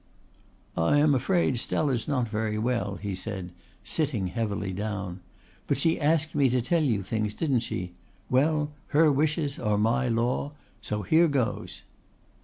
"I am afraid Stella's not very well," he said, sitting heavily down. "But she asked me to tell you things, didn't she? Well, her wishes are my law. So here goes."